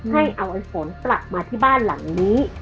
ให้เอาไอ้ฝนกลับมาที่บ้านหลังนี้